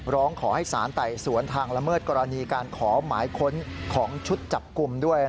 ร้องขอให้สารไต่สวนทางละเมิดกรณีการขอหมายค้นของชุดจับกลุ่มด้วย